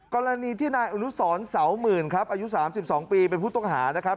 กรณีที่นายอนุสรเสาหมื่นครับอายุ๓๒ปีเป็นผู้ต้องหานะครับ